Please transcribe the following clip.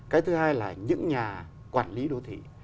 cái thứ hai là những nhà quản lý đô thị